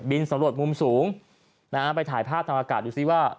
สำรวจมุมสูงนะฮะไปถ่ายภาพทางอากาศดูซิว่า